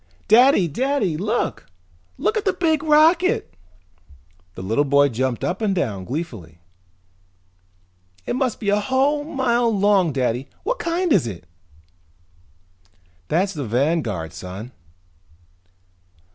"Daddy! Daddy, look! Look at the big rocket!" The little boy jumped up and down gleefully. "It must be a whole mile long, Daddy! What kind is it?" "That's the Vanguard, son."